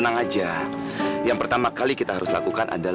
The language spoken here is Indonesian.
nol jangan nangis ya nol